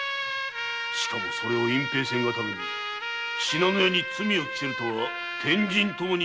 しかもそれを隠蔽せんがために信濃屋に罪を着せるとは天人ともに許し難し！